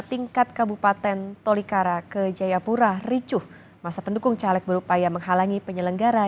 tingkat kabupaten tolikara ke jayapura ricuh masa pendukung caleg berupaya menghalangi penyelenggara